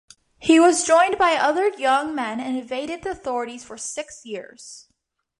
He was joined by other young men and evaded the authorities for six years.